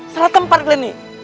salah tempat kalian ini